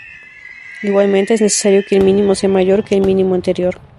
Igualmente, es necesario que el mínimo sea mayor que el mínimo anterior.